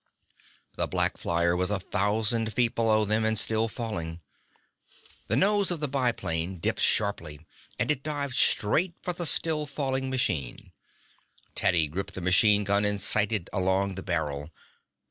The black flyer was a thousand feet below them and still falling. The nose of the biplane dipped sharply and it dived straight for the still falling machine. Teddy gripped the machine gun and sighted along the barrel.